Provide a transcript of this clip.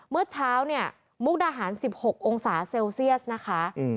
เมื่อเช้าเนี่ยมุกดาหาร๑๖องศาเซลเซียสนะคะ